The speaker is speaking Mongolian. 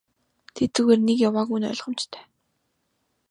Тэд зүгээр нэг яваагүй нь ойлгомжтой.